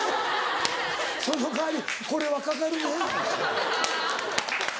その代わりこれはかかるで。